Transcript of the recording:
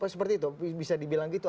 seperti itu bisa dibilang gitu